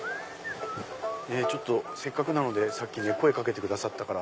ちょっとせっかくなのでさっき声かけてくださったから。